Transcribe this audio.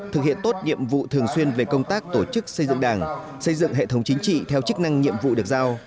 thực hiện tốt nhiệm vụ thường xuyên về công tác tổ chức xây dựng đảng xây dựng hệ thống chính trị theo chức năng nhiệm vụ được giao